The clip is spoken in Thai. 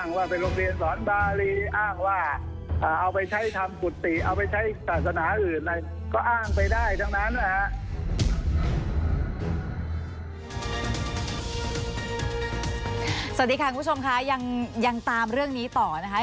สวัสดีค่ะคุณผู้ชมค่ะยังตามเรื่องนี้ต่อนะคะ